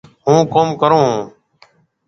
هوُن ڪوم ڪرون هون۔